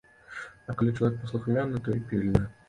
А калі чалавек паслухмяны, то і пільны.